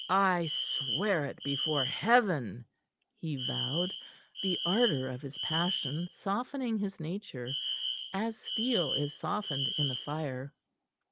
I swear it before Heaven!" he vowed, the ardor of his passion softening his nature, as steel is softened in the fire.